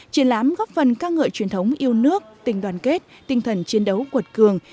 triển lãm góp phần các ngợi truyền thống yêu nước tình đoàn kết tinh thần chiến đấu quật cường